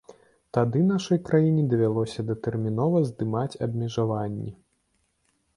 Тады нашай краіне давялося датэрмінова здымаць абмежаванні.